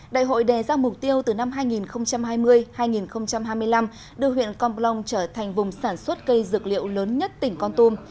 đại hội đề ra mục tiêu từ năm hai nghìn hai mươi hai nghìn hai mươi năm đưa huyện con plong trở thành vùng sản xuất cây dược liệu lớn nhất tỉnh con tum